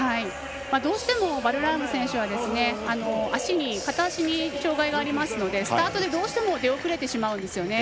どうしてもバルラーム選手は片足に障がいがありますのでスタートで、どうしても出遅れてしまうんですよね。